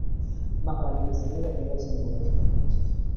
Más vale una segura que dos en duda.